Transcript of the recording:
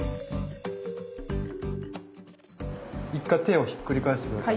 一回手をひっくり返して下さい。